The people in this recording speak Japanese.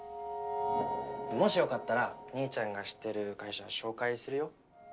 もしよかったら兄ちゃんが知ってる会社紹介するよ。